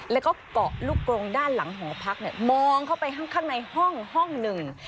แล้วก็เกาะลูกกรงด้านหลังหอพักเนี่ยมองเข้าไปข้างในห้องห้องหนึ่ง